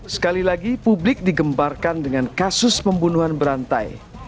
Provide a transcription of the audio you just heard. sekali lagi publik digembarkan dengan kasus pembunuhan berantai